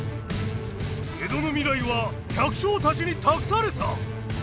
江戸の未来は百姓たちに託された！